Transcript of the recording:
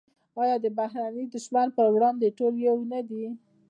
آیا د بهرني دښمن پر وړاندې ټول یو نه دي؟